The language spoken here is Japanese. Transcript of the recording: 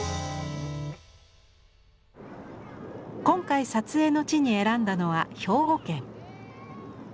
今回撮影の地に選んだのは兵庫県。